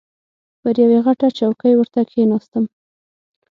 پر یوې غټه چوکۍ ورته کښېناستم.